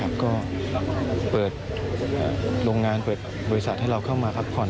ก็เปิดโรงงานเปิดบริษัทให้เราเข้ามาพักผ่อน